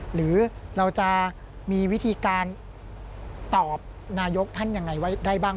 หรือเราจะมีวิธีการตอบนายกท่านยังไงไว้ได้บ้าง